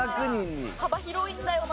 幅広いんだよな。